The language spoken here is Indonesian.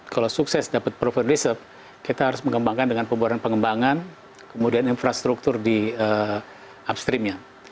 kalau sukses dapat profil reserve kita harus mengembangkan dengan pembuaran pengembangan kemudian infrastruktur di upstreamnya